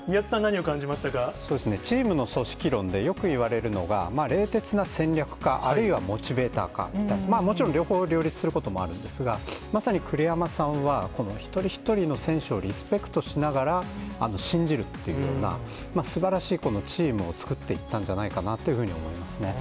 そうですね、チームの組織論でよく言われるのが、冷徹な戦略か、あるいはモチベーターか、もちろん両方、両立することもあるんですが、まさに栗山さんは、この一人一人の選手をリスペクトしながら信じるっていう、すばらしいこのチームを作っていったんじゃないかなというふうに思いますね。